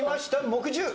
木１０！